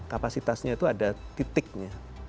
kapasitasnya itu ada titiknya